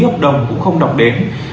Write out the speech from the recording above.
lý hợp đồng cũng không đọc đến